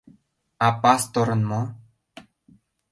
А пасторын мо?